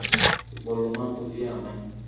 বলো না বুঝিয়ে আমায়?